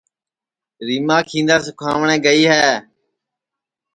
ریماں کیندا سُکاوٹؔے گئے ہے